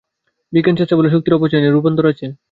বিজ্ঞানশাস্ত্রে বলে শক্তির অপচয় নাই, রূপান্তর আছে।